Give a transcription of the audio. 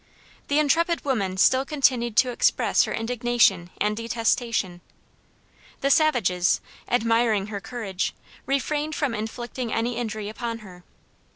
The intrepid woman still continued to express her indignation and detestation. The savages, admiring her courage, refrained from inflicting any injury upon her.